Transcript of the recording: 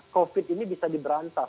covid ini bisa diberantah